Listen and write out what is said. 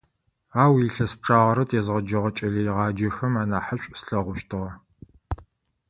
Ау илъэс пчъагъэрэ тезгъэджэгъэ кӀэлэегъаджэхэм анахьышӀу слъэгъущтыгъэ.